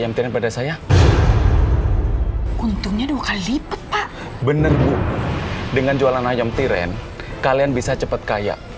mp tiga saya untungnya dua kali lipat pak benerku dengan jualan ayam tiren kalian bisa cepat kaya